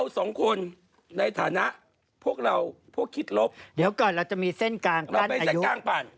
สองคนในฐานะพวกเราพวกคิดลบเดี๋ยวก่อนเราจะมีเส้นกลางกั้นอายุ